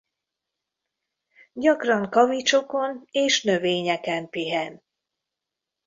Gyakran kavicsokon és növényeken pihen.